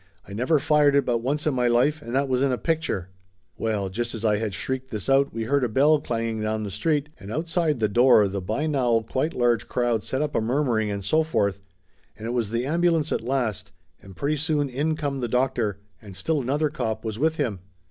"I never fired it but once in my life and that was in a picture !" Well, just as I had shrieked this out we heard a bell clanging down the street, and outside the door the by now quite large crowd set up a murmuring and so forth, and it was the ambulance at last, and pretty soon in come the doctor, and still another cop was with him.